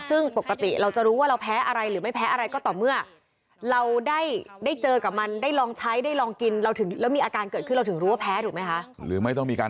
ซึ่งปกติเราจะรู้ว่าเราแพ้อะไรหรือไม่แพ้อะไรก็ต่อเมื่อ